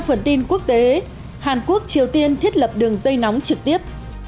hàn quốc triều tiên thiết lập đường dây nóng trực tiếp